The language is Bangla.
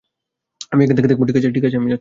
আমি এখান থেকে দেখব - ঠিক আছে, আমি যাচ্ছি।